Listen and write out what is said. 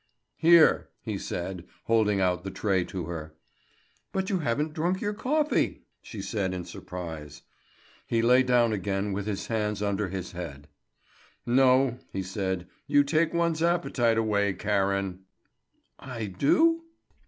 "Here!" he said, holding out the tray to her. "But you haven't drunk your coffee!" she said in surprise. He lay down again with his hands under his head. "No," he said; "you take one's appetite away, Karen." "I do?"